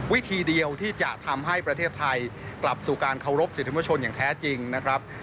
วิธีเดียวที่จะทำให้ประเทศไทยกลับสู่การเคารพสิทธิมชนอย่างแท้จริงนะครับ